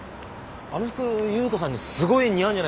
あの服優子さんにすごい似合うんじゃないですか。